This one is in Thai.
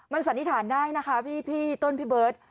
สันนิษฐานได้นะคะพี่ต้นพี่เบิร์ต